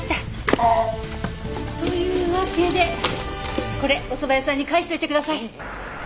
あっ。というわけでこれおそば屋さんに返しておいてください。